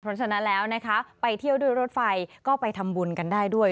เพราะฉะนั้นแล้วนะคะไปเที่ยวด้วยรถไฟก็ไปทำบุญกันได้ด้วย